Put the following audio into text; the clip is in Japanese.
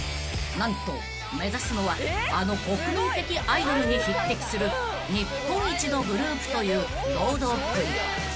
［何と目指すのはあの国民的アイドルに匹敵する日本一のグループという堂々っぷり］